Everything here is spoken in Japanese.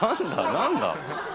何だ？